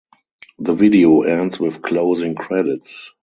The video ends with closing credits.